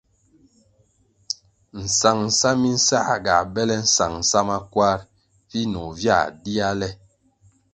Nsangʼsa minsā ga bele nsangʼsa makwar, vinoh via dia le.